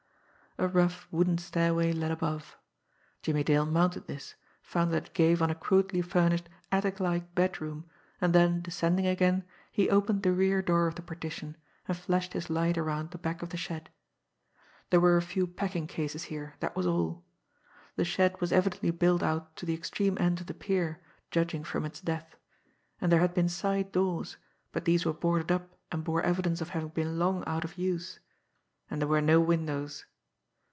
A rough, wooden stairway led above. Jimmie Dale mounted this, found that it gave on a crudely furnished, attic like bedroom, and then descending again, he opened the rear door of the partition, and flashed his light around the back of the shed. There were a few packing cases here that was all. The shed was evidently built out to the extreme end of the pier, judging from its depth; and there had been side doors, but these were boarded up and bore evidence of having been long out of use and there were no windows.